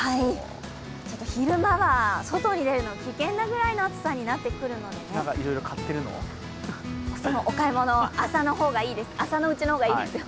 ちょっと昼間は外に出るのが危険なぐらいの暑さになるのでお買い物は朝のうちの方がいいですよ。